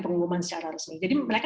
pengumuman secara resmi jadi mereka